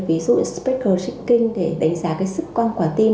ví dụ như spectral tricking để đánh giá cái sức quan của tim